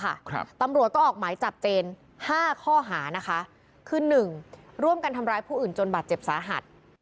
ครับตำรวจก็ออกหมายจับเจนห้าข้อหานะคะคือหนึ่งร่วมกันทำร้ายผู้อื่นจนบาดเจ็บสาหัส